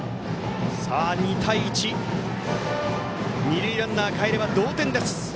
２対１、二塁ランナーかえれば同点です。